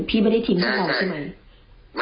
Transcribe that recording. ถึงวันจันทร์ใช่ไหมคะ